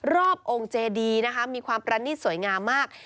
รอบองค์เจดีนะคะมีความประณีตสวยงามมาก